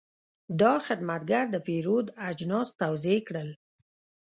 دا خدمتګر د پیرود اجناس توضیح کړل.